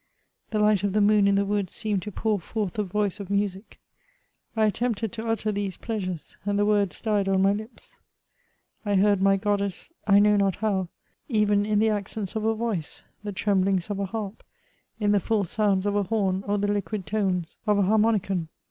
The light of the moon in the woods seemed to pour foith a Toice of music ; I attempted to utter these pleasures, and the words died on my lips. 1 heard my goddess, I know not how, even in the aocents of a yoice, the tremblings of a harp, in the fail sounds of a horn, or the liquid tones of a harmonicon.